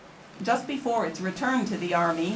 Just before its return to the army.